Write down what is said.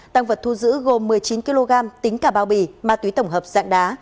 tăng vật thu giữ gồm một mươi chín kg tính cả bao bì ma túy tổng hợp dạng đá